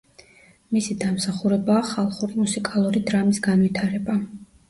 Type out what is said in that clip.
მისი დამსახურებაა ხალხური მუსიკალური დრამის განვითარება.